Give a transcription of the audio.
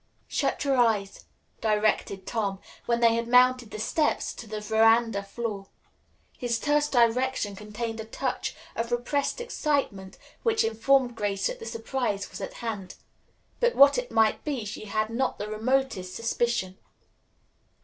"Shut your eyes," directed Tom, when they had mounted the steps to the veranda floor. His terse direction contained a touch of repressed excitement which informed Grace that the surprise was at hand. But what it might be she had not the remotest suspicion.